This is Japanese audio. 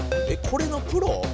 これのプロ？